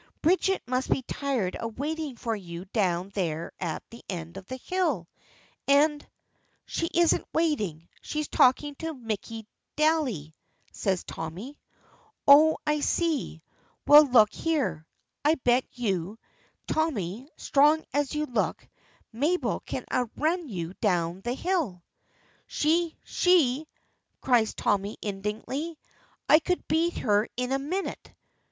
Bridget must be tired of waiting for you down there at the end of the hill, and " "She isn't waiting, she's talking to Mickey Daly," says Tommy. "Oh, I see. Well, look here. I bet you, Tommy, strong as you look, Mabel can outrun you down the hill." "She! she!" cries Tommy, indignantly; "I could beat her in a minute."